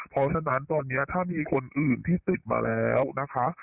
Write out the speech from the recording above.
เพราะฉะนั้นตอนนี้ถ้ามีคนอื่นที่ติดมาแล้วนะคะ